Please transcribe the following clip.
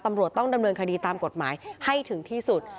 ตำรวจต้องดำเนินคดีตามกฎหมายให้ถึงที่สุด